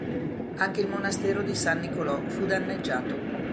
Anche il monastero di San Nicolò fu danneggiato.